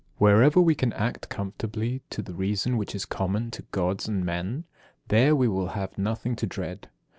53. Wherever we can act conformably to the reason which is common to Gods and men, there we have nothing to dread.